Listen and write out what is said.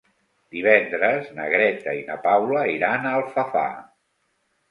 Divendres na Greta i na Paula iran a Alfafar.